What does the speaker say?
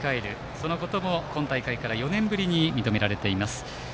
そのことも今大会から４年ぶりに認められています。